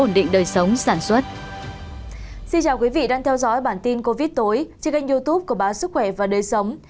đừng quên theo dõi bản tin covid tối trên kênh youtube của bá sức khỏe và đời sống